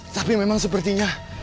tapi memang sepertinya